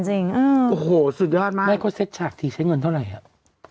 จริงเออสุดยอดมากนะครับไม่เขาเซ็ตฉากที่ใช้เงินเท่าไรอะ